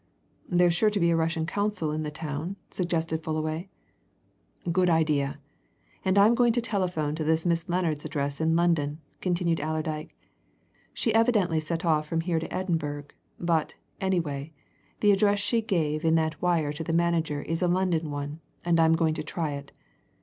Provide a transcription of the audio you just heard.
"There's sure to be a Russian Consul in the town," suggested Fullaway. "Good idea! And I'm going to telephone to this Miss Lennard's address in London," continued Allerdyke. "She evidently set off from here to Edinburgh; but, anyway, the address she gave in that wire to the manager is a London one, and I'm going to try it.